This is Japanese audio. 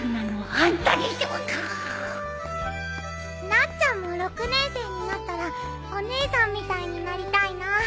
なっちゃんも６年生になったらお姉さんみたいになりたいな。